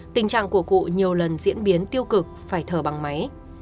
tình trạng của cụ nhiều lần diễn biến tiêu cực phải thở bằng máy